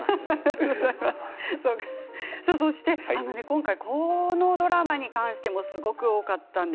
今回このドラマに関してもすごく多かったんです。